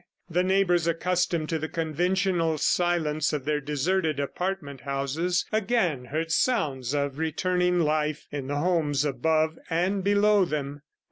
The neighbors accustomed to the conventional silence of their deserted apartment houses, again heard sounds of returning life in the homes above and below them.